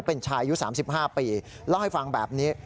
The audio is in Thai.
เป็นชายอายุ๓๕ปีเล่าให้ฟังแบบนี้